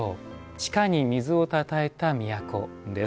地下に水をたたえた都です。